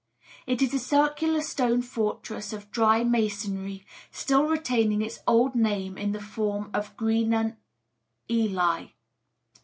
It is a circular stone fortress of dry masonry, still retaining its old name in the form of "Greenan Ely."